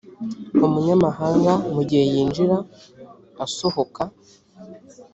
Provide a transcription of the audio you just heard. umunyamahanga mu gihe yinjira asohoka